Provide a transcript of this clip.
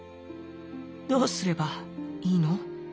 「どうすればいいの？」。